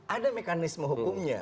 ada mekanisme hukumnya